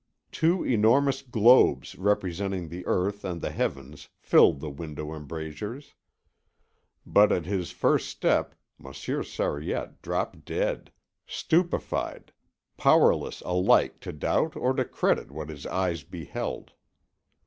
Two enormous globes representing the earth and the heavens filled the window embrasures. But at his first step Monsieur Sariette stopped dead, stupefied, powerless alike to doubt or to credit what his eyes beheld.